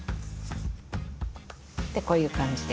でこういう感じで。